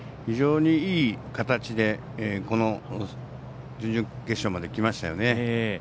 非常にいい形でこの準々決勝まできましたよね。